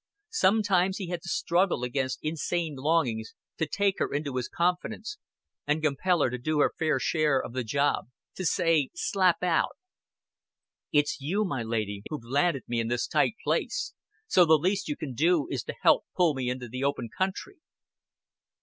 Sometimes he had to struggle against insane longings to take her into his confidence, and compel her to do her fair share of the job to say, slap out, "It's you, my lady, who've landed me in this tight place; so the least you can do is to help pull me into open country."